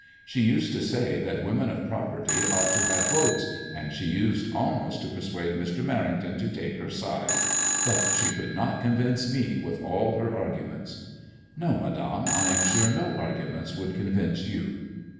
She used to sa] that women of property ought to haye yotes, and she used almost to persuade Mr. Merrington to take her side ; but she could not convince me with all her argu ments." UOf Madame, I am sure no arguments would convince you."